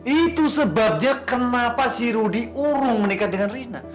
itu sebabnya kenapa si rudi urung menikah dengan rina